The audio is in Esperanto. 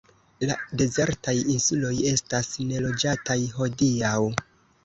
La dezertaj insuloj estas neloĝataj hodiaŭ.